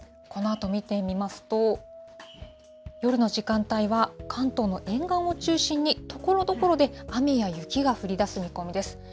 このあと見てみますと、夜の時間帯は、関東の沿岸を中心に、ところどころで雨や雪が降りだす見込みです。